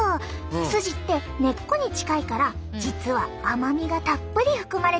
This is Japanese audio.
スジって根っこに近いから実は甘みがたっぷり含まれているんだ。